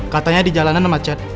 katanya di jalanan macet